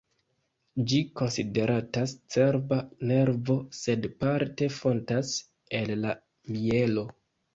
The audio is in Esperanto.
Ĝi konsideratas cerba nervo, sed parte fontas el la mjelo.